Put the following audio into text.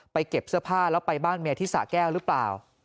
เก็บเสื้อผ้าแล้วไปบ้านเมียที่สะแก้วหรือเปล่า